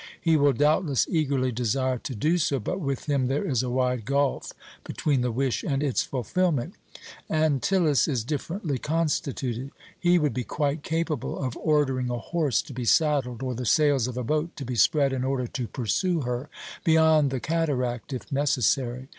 He will doubtless eagerly desire to do so, but with him there is a wide gulf between the wish and its fulfilment. Antyllus is differently constituted. He would be quite capable of ordering a horse to be saddled, or the sails of a boat to be spread in order to pursue her beyond the Cataract if necessary.